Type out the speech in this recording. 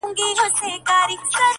څوك به ليكي قصيدې د كونړونو.!